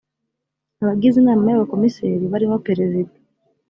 abagize inama y abakomiseri barimo perezida